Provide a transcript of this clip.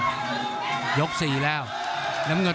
ภูตวรรณสิทธิ์บุญมีน้ำเงิน